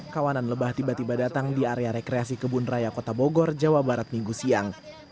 kawanan lebah tiba tiba datang di area rekreasi kebun raya kota bogor jawa barat minggu siang